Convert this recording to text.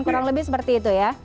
kurang lebih seperti itu ya